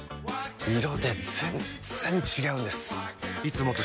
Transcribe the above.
色で全然違うんです！